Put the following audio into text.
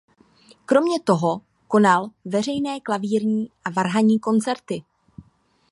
Kromě toho konal veřejné klavírní a varhanní koncerty.